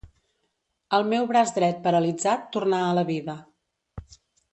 El meu braç dret paralitzat tornà a la vida